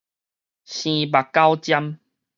生目狗針